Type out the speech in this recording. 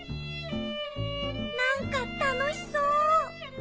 なんかたのしそう！